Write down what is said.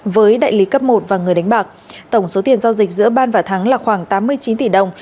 với đại lý cấp một và người đánh bạc tổng số tiền giao dịch giữa ban và thắng là khoảng tám mươi chín tỷ đồng